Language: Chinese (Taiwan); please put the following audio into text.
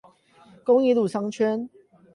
公益路商圈